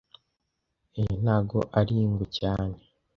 Iyi ntago ari ingwe cyane